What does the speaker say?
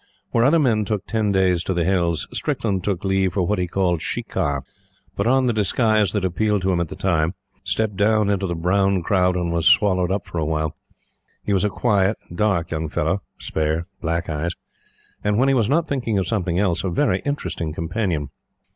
Where other men took ten days to the Hills, Strickland took leave for what he called shikar, put on the disguise that appealed to him at the time, stepped down into the brown crowd, and was swallowed up for a while. He was a quiet, dark young fellow spare, black eyes and, when he was not thinking of something else, a very interesting companion.